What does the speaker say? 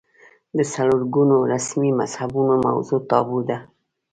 د څلور ګونو رسمي مذهبونو موضوع تابو ده